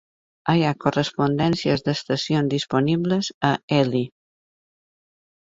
Hi ha correspondències d'estacions disponibles a Ely.